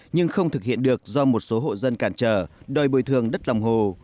nhưng không thực hiện được do một số hộ dân cản trở đòi bồi thường đất lòng hồ